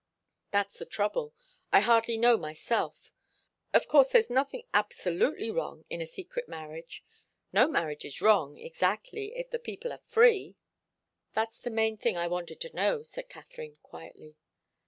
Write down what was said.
"That's the trouble. I hardly know myself. Of course there's nothing absolutely wrong in a secret marriage. No marriage is wrong, exactly, if the people are free." "That's the main thing I wanted to know," said Katharine, quietly.